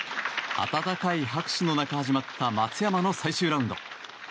温かい拍手の中始まった松山の最終ラウンド。